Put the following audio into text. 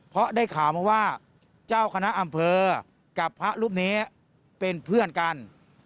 เพราะได้ข่าวมาว่าเจ้าคณะอำเภอกับพระรูปนี้เป็นเพื่อนกัน